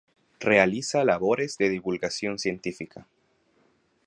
Realiza labores de divulgación científica.